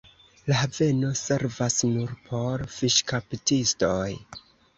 La haveno servas nur por fiŝkaptistoj.